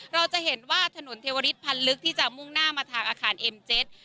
เราจะเห็นว่าถนนเทวริสพันธ์ลึกที่จะมุ่งหน้ามาทางอาคารเอ็มเจ็ต